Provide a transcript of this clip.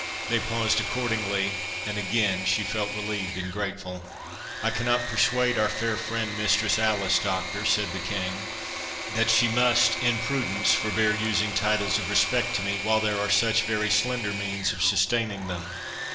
They paused accordingly, and again she felt relieved and grateful. "I cannot persuade our fair friend, Mistress Alice, Doctor," said the King, "that she must, in prudence, forbear using titles of respect to me, while there are such very slender means of sustaining them."